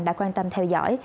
đã quan tâm theo dõi